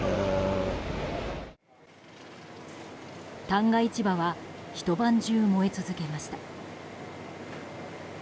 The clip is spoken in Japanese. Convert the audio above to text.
旦過市場はひと晩中、燃え続けました。